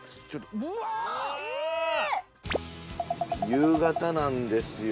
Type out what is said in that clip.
夕方なんですよ